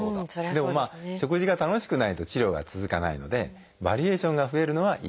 でも食事が楽しくないと治療が続かないのでバリエーションが増えるのはいいことですね。